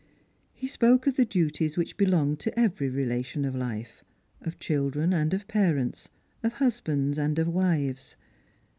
He spoke of the duties which belong to every relation of life ; of children and of parents, of husbands and of wives.